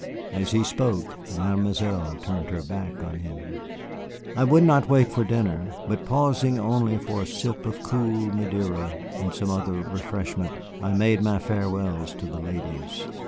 As he spoke, Mademoiselle turned her back on him. I would not wait for dinner, but pausing only for a sip of cool Madeira and some other refreshment, I made my farewells to the ladies.